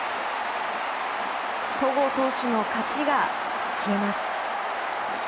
戸郷投手の勝ちが消えます。